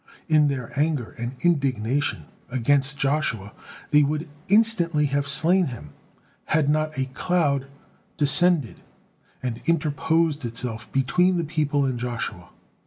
In their anger and indignation against Joshua, they would instantly have slain him, had not a cloud descended and interposed itself between the people and Joshua.